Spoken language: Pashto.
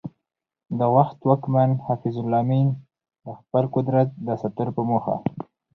د وخت واکمن حفیظ الله امین د خپل قدرت د ساتلو په موخه